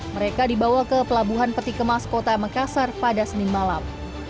mereka dibawa ke pelabuhan peti kemas kota makassar pada senin malam